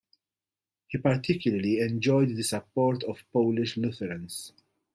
He particularly enjoyed the support of Polish Lutherans.